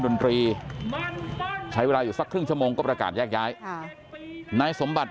ดนตรีใช้เวลาอยู่สักครึ่งชั่วโมงก็ประกาศแยกย้ายค่ะนายสมบัติ